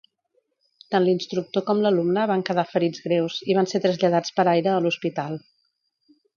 Tant l'instructor com l'alumne van quedar ferits greus i van ser traslladats per aire a l'hospital.